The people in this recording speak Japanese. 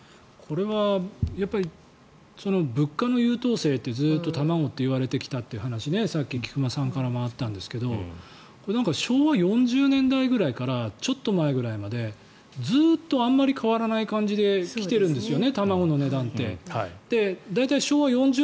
これは物価の優等生卵は言われてきたとさっき菊間さんからもあったんですが昭和４０年代ぐらいからちょっと前ぐらいまでずっとあまり変わらない感じで来てるんですよね。